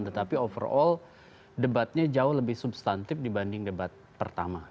tetapi overall debatnya jauh lebih substantif dibanding debat pertama